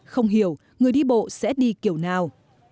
không hiểu người đi bộ sẽ đi kiểu nào